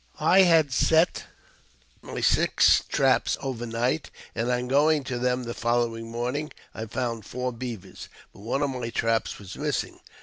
I had set my six traps over night, and on going to them the following morning I found four beavers, but one of my traps Was missing.